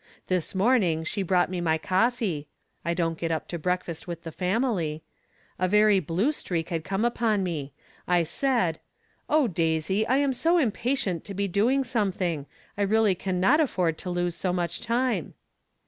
This morning she brought me my coffee. (I don't get up to breakfast with the fam ily.) A very blue streak had come iipon me. I said :" Oh, Daisy, I am so impatient to be doing something! I really can not aiford to lose so much time."